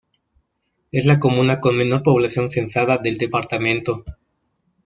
Es la comuna con menor población censada del departamento.